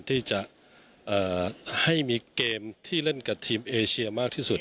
ที่จะให้มีเกมที่เล่นกับทีมเอเชียมากที่สุด